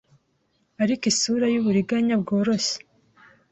Ariko isura yuburiganya bworoshye